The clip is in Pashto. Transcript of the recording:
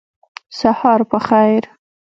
سهار په خیر !